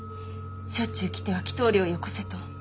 しょっちゅう来ては祈祷料をよこせと。